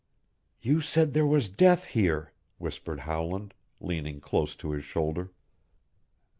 "You said there was death here," whispered Howland, leaning close to his shoulder.